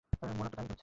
মনে তো তাই হচ্ছে।